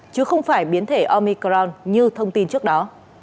chứ không phải biến thể omicron như thông tin trước đó